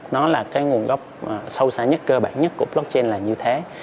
nó là cái nguồn gốc sâu xa nhất cơ bản nhất của blockchain là như thế